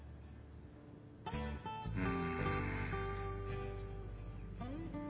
うん。